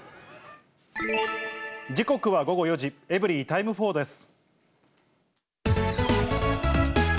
時刻は午後４時、エブリィタイム４です。